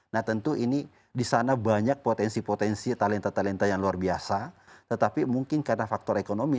nah tentu ini di sana banyak potensi potensi talenta talenta yang luar biasa tetapi mungkin karena faktor ekonomi